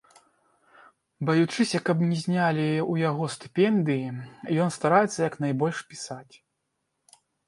Баючыся, каб не знялі ў яго стыпендыі, ён стараецца як найбольш пісаць.